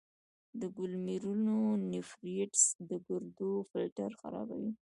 د ګلومیرولونیفریټس د ګردو فلټر خرابوي.